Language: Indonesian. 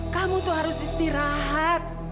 kamu tuh harus istirahat